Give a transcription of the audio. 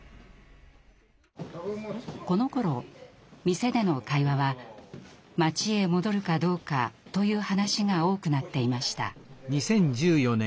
このころ店での会話は「町へ戻るかどうか」という話が多くなっていました。